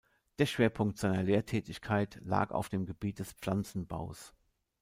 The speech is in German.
Der Schwerpunkt seiner Lehrtätigkeit lag auf dem Gebiet des Pflanzenbaus.